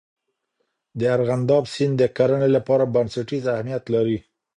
دارغنداب سیند د کرنې لپاره بنسټیز اهمیت لري.